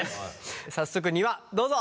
早速２話どうぞ！